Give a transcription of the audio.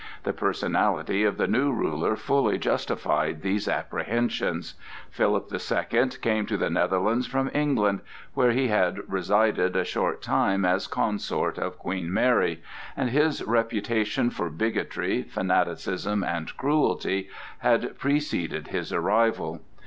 The personality of the new ruler fully justified these apprehensions. Philip the Second came to the Netherlands from England, where he had resided a short time as consort of Queen Mary, and his reputation for bigotry, fanaticism, and cruelty had preceded his arrival.